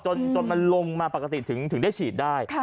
จนมันลงมาปกติถึงได้ฉีดได้